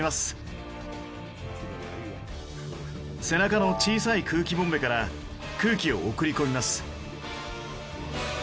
背中の小さい空気ボンベから空気を送り込みます。